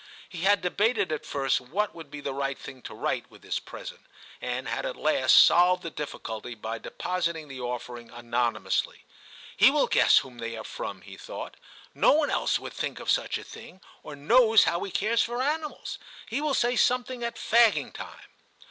He had debated at first what would be the right thing to write with this present, and had at last solved the difficulty by deposit ing the offering anonymously. * He will guess whom they are from,' he thought; *no one else V TIM I09 would think of such a thing, or knows how he cares for animals ; he will say something at fagging time.